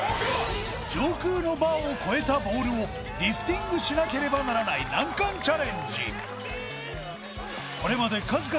上空のバーを越えたボールをリフティングしなければならない難関チャレンジ